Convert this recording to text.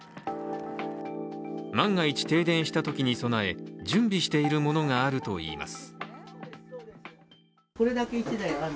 万が一、停電したときに備え準備しているものがあるといいます。